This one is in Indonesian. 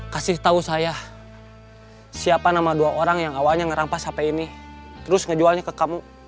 kasih tahu saya siapa nama dua orang yang awalnya ngerampas sampai ini terus ngejualnya ke kamu